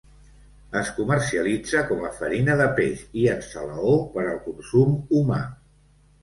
Es comercialitza com a farina de peix i en salaó per al consum humà.